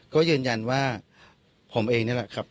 ก็ยืนยันว่าผมเองนี่แหละครับ